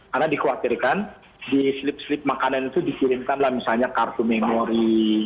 karena dikhawatirkan di slip slip makanan itu dikirimkanlah misalnya kartu memori